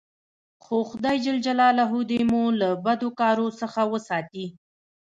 خو خداى جل جلاله دي مو له بدو کارو څخه ساتي.